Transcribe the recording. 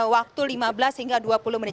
waktu lima belas hingga dua puluh menit